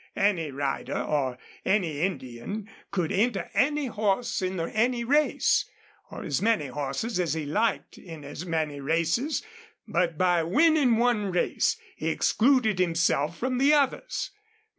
Any rider or any Indian could enter any horse in any race, or as many horses as he liked in as many races. But by winning one race he excluded himself from the others.